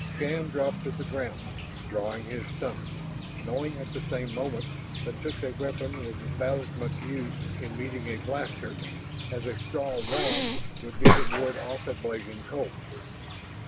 Shann dropped to the ground, drawing his stunner, knowing at the same moment that such a weapon was about as much use in meeting a blaster as a straw wand would be to ward off a blazing coal.